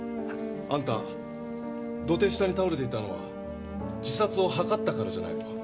あんた土手下に倒れていたのは自殺を図ったからじゃないのか？